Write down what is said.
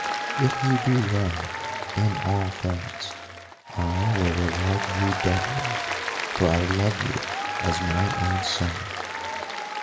"If you do well in all things, I will reward you doubly, for I love you as my own son."